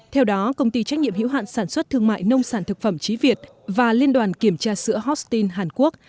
theo đó công ty trách nhiệm hữu hạn sản xuất thương mại nông sản thực phẩm trí việt và liên đoàn kiểm tra sữa hostin hàn quốc